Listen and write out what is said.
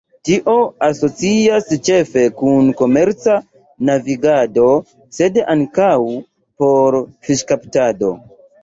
Tio asocias ĉefe kun komerca navigado sed ankaŭ por fiŝkaptado.